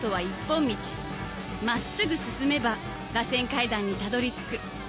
真っすぐ進めばらせん階段にたどり着く